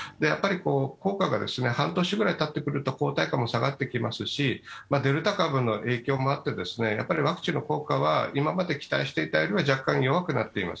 効果が半年ぐらいたってくると抗体価も下がってきますし、デルタ株の影響もあって、ワクチンの効果は今まで期待していたよりは若干弱くなっています。